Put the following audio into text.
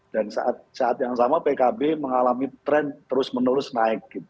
dan saat yang sama pkb mengalami tren terus menerus naik